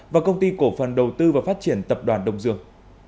và công ty cổ phần đầu tư và phát triển tập đoàn đông dương